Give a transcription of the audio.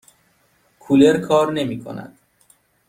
کولر کار نمی کند.